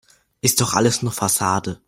Ist doch alles nur Fassade.